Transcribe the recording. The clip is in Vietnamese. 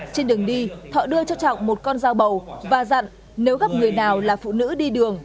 trên đường đi thọ đưa cho trọng một con dao bầu và dặn nếu gặp người nào là phụ nữ đi đường